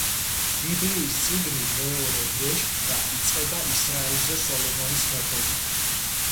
ბიბლიის წიგნი „მეორე ნეშტთა“ იწყება ისრაელზე სოლომონის მეფობით.